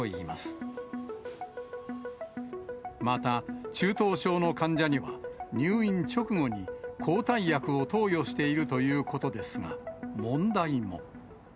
また、中等症の患者には入院直後に抗体薬を投与しているということですが、問題が。